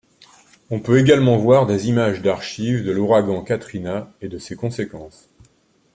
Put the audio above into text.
On peut également voir des images d'archives de l'ouragan Katrina et de ses conséquences.